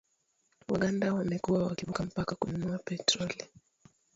Waganda wamekuwa wakivuka mpaka kununua petroli